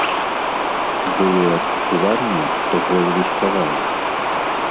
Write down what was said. Было адчуванне, што гол выспявае.